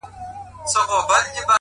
• یو انار او سل بیمار ,